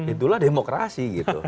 itulah demokrasi gitu